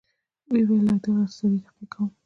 ويې ويل له دغه سړي تحقيق کوم.